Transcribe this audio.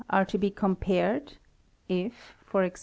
are to be compared (if, e.g.